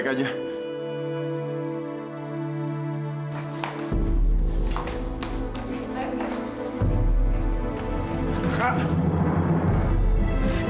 kita mau pergi ke kamar